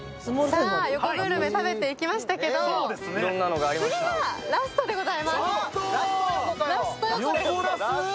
横グルメ食べていきましたけれども、次がラストでございます。